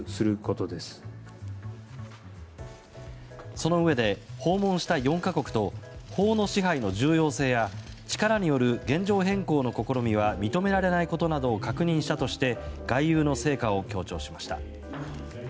そのうえで訪問した４か国と法の支配の重要性や力による現状変更の試みは認められないことなどを確認したとして外遊の成果を強調しました。